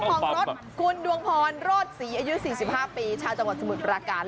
ของรถคุณดวงพรโรธศรีอายุ๔๕ปีชาวจังหวัดสมุทรปราการ